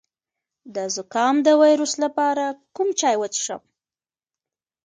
د زکام د ویروس لپاره کوم چای وڅښم؟